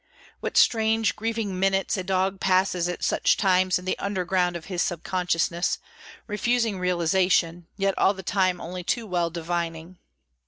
What strange, grieving minutes a dog passes at such times in the underground of his subconsciousness, refusing realisation, yet all the time only too well divining.